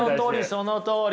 そのとおり。